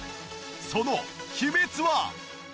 その秘密は。